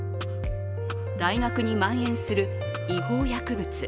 大学にまん延する違法薬物。